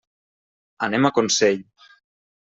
Anem a Consell.